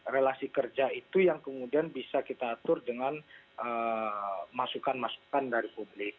relasi kerja itu yang kemudian bisa kita atur dengan masukan masukan dari publik